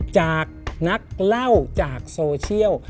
จากนักเล่าจากโซเชียล